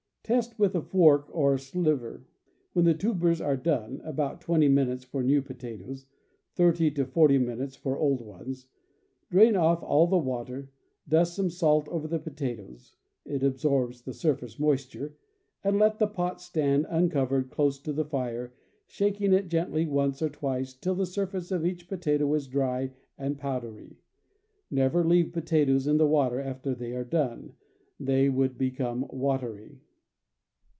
Test with a fork or sliver. When the tubers are done (about twenty minutes for new potatoes, thirty to forty minutes for old ones) drain off all the water, dust some salt over the potatoes (it absorbs the surface moisture), and let the pot stand uncovered close to the fire, shaking it gently once or twice, till the surface of each potato is dry and pow dery. Never leave potatoes in the water after they are done; they would become watery.